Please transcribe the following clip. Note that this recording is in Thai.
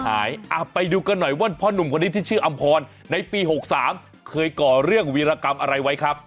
ไปดูกันหน่อยว่าพ่อหนุ่มคนนี้ที่ชื่ออำพรในปี๖๓เคยก่อเรื่องวีรกรรมอะไรไว้ครับ